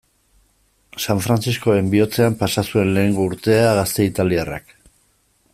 San Frantziskoren bihotzean pasa zuen lehengo urtea gazte italiarrak.